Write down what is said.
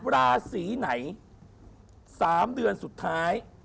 ราศีไหน๓เดือนสุดท้าย